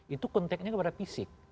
itu konteknya kepada fisik